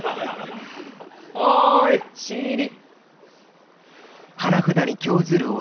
おい新入り。